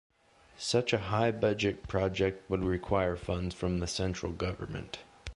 Such a high-budget project would require funds from the Central Government.